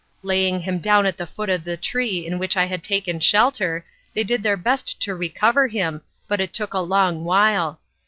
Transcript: Laying him down at the foot of the tree in which I had taken shelter, they did their best to recover him, but it took a long while.